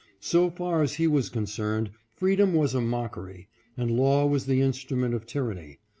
So far as he was concerned freedom was a mockery, and law was the instru ment of tyranny.